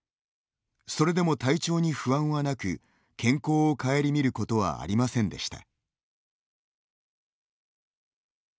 それでも体調に不安はなく健康を顧みることはありませんでした。